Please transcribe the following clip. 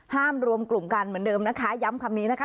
รวมกลุ่มกันเหมือนเดิมนะคะย้ำคำนี้นะคะ